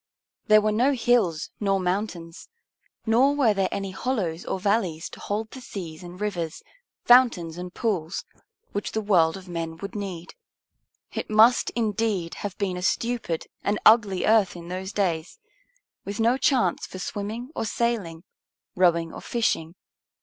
There were no hills nor mountains: nor were there any hollows or valleys to hold the seas and rivers, fountains and pools, which the world of men would need. It must, indeed, have been a stupid and ugly earth in those days, with no chance for swimming or sailing, rowing or fishing.